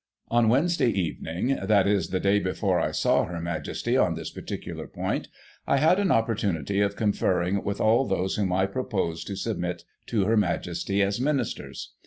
" On the Wednesday evening — ^that is, the day before I saw Her Majesty on this particular point — I had an oppor tunity of conferring with all those whom I proposed to submit to Her Majesty as Ministers.